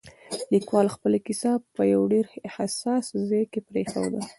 لیکوال خپله کیسه په یو ډېر حساس ځای کې پرېښوده.